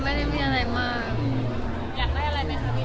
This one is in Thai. อยากได้อะไรแน่ครับพี่ภัยพี่